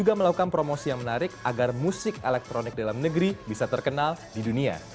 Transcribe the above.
juga melakukan promosi yang menarik agar musik elektronik dalam negeri bisa terkenal di dunia